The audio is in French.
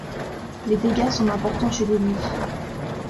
Les dégâts semblent importants chez l'ennemi.